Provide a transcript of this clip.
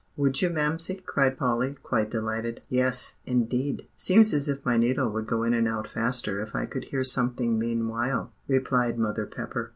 "Would you, Mamsie?" cried Polly, quite delighted. "Yes, indeed. Seems as if my needle would go in and out faster if I could hear something meanwhile," replied Mother Pepper.